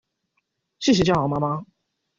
謝謝家豪媽媽